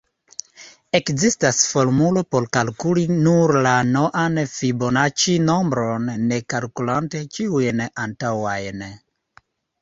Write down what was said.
Ekzistas formulo por kalkuli nur la n-an Fibonaĉi-nombron ne kalkulante ĉiujn antaŭajn.